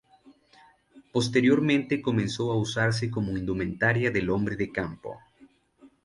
Posteriormente comenzó a usarse como indumentaria del hombre de campo.